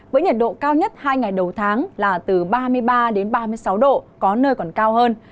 với nhiệt độ cao nhất hai ngày đầu tháng là từ ba mươi ba đến ba mươi sáu độ có nơi còn cao hơn